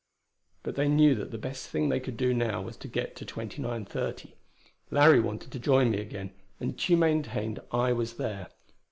But they knew that the best thing they could do now was to get to 2930. Larry wanted to join me again, and Tugh maintained I was there.